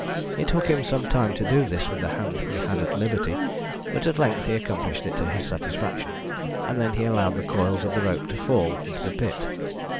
It took him some time to do this with the hand he had at liberty, but at length he accomplished it to his satisfaction, and then he allowed the coils of the rope to fall into the pit.